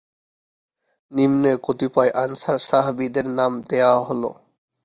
নিম্নে কতিপয় আনসার সাহাবীদের নাম দেয়া হল,